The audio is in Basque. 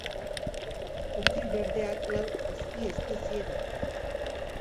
Okil berdeak lau azpiespezie ditu.